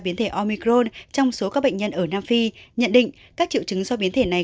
biến thể omicron trong số các bệnh nhân ở nam phi nhận định các triệu chứng do biến thể này